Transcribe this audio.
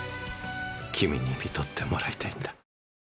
君にみとってもらいたいんだ。